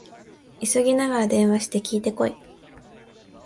急ぎなら電話して聞いてこい